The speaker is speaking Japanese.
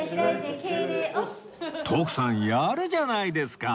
徳さんやるじゃないですか！